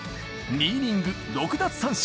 ２イニング６奪三振。